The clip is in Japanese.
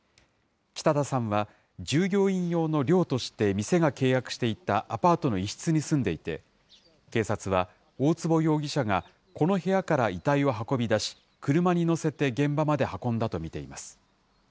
北田さんは、従業員用の寮として店が契約していたアパートの一室に住んでいて、警察は大坪容疑者がこの部屋から遺体を運び出し、車に乗せて現場まで運んだと見ています。